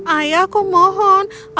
ayah aku mohon aku ingin memakainya